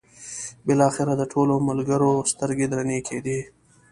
بالاخره د ټولو ملګرو سترګې درنې کېدې.